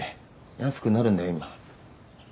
安くなるんだよ今。